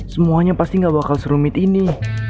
semuanya pasti gak bakal serumit ini